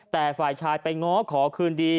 แต่ฝ่ายชายไปง้อขอคืนดี